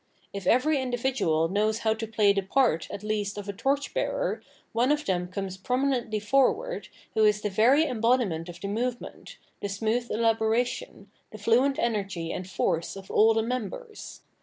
If every individual knows how to play the part at least of a torchbearer, one of them comes prominently forward who is the very embodiment of the movement, the smooth elabora tion, the fluent energy and force of aU the members.